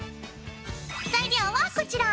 材料はこちら！